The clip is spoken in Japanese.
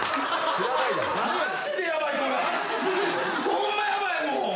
ホンマヤバいもう。